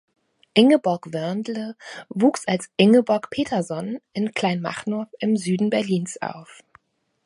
Ingeborg Wörndle wuchs als Ingeborg Peterson in Kleinmachnow im Süden Berlins auf.